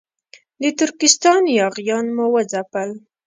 د ترکستان یاغیان مو وځپل.